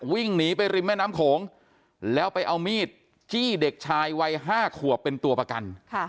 วิ่งหนีไปริมแม่น้ำโขงแล้วไปเอามีดจี้เด็กชายวัย๕ขวบเป็นตัวประกัน